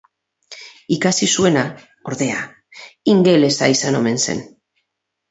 Ikasi zuena, ordea, ingelesa izan omen zen.